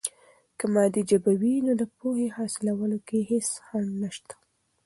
که مادي ژبه وي، نو د پوهې حاصلولو کې هیڅ خنډ نسته.